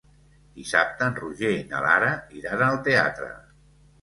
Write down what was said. Dissabte en Roger i na Lara iran al teatre.